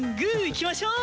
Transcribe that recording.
いきましょう！